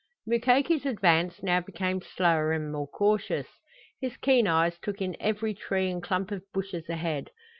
Mukoki's advance now became slower and more cautious. His keen eyes took in every tree and clump of bushes ahead.